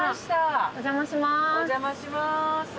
お邪魔します。